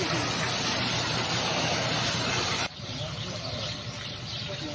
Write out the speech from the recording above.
เยี่ยม